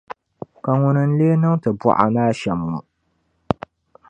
Ka ŋuni n-leei niŋ ti buɣa maa shɛm ŋɔ?